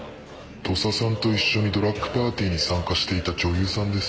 土佐さんと一緒にドラッグパーティーに参加していた女優さんです。